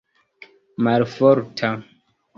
malforta